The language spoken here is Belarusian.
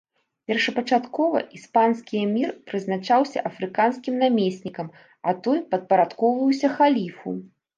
Першапачаткова іспанскі эмір прызначаўся афрыканскім намеснікам, а той падпарадкоўваўся халіфу.